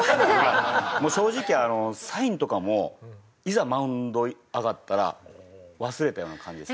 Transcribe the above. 正直サインとかもいざマウンド上がったら忘れたような感じですね。